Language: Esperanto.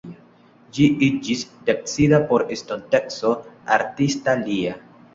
Ĝi iĝis decida por estonteco artista lia.